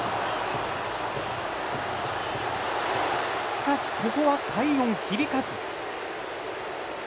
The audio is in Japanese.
しかし、ここは快音響かず。